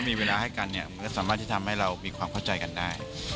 มีเวลาให้กันเนี่ยมันก็สามารถที่ทำให้เรามีความเข้าใจกันได้